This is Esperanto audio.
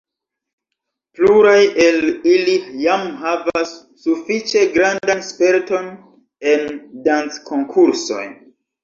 Pluraj el ili jam havas sufiĉe grandan sperton en danckonkursoj.